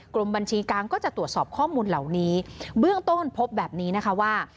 กรมบัญชีกลางก็จะตรวจสอบข้อมูลเหล่านี้เบื้องต้นพบแบบนี้นะคะว่า